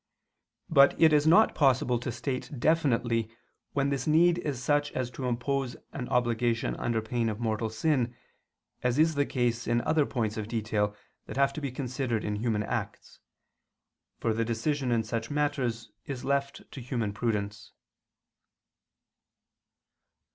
But it is not possible to state definitely when this need is such as to impose an obligation under pain of mortal sin, as is the case in other points of detail that have to be considered in human acts: for the decision in such matters is left to human prudence.